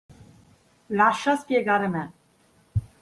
Lascia spiegare me.